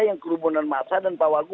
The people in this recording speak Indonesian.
yang kerumunan massa dan pak wagub